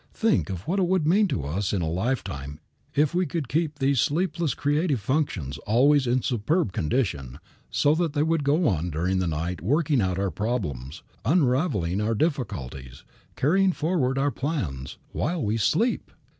Think what it would mean to us in a life time if we could keep these sleepless creative functions always in superb condition so that they would go on during the night working out our problems, unraveling our difficulties, carrying forward our plans, while we are asleep!